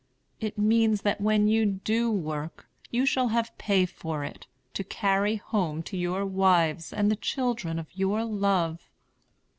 It means that when you do work you shall have pay for it, to carry home to your wives and the children of your love.